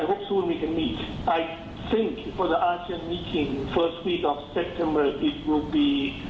ยังไม่มีทางเดิมที่สำรวจที่ยินดี